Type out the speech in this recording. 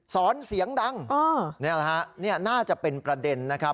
สอนเสียงดังนี่แหละฮะนี่น่าจะเป็นประเด็นนะครับ